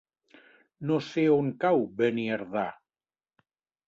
No sé on cau Beniardà.